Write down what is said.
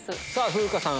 風花さん